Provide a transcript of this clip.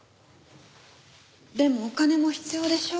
でもお金も必要でしょう？